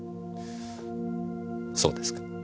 そうですか。